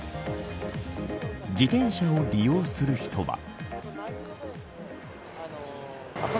自転車を利用する人は。